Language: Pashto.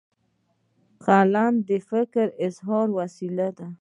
قلم د فکر اظهار وسیله ده.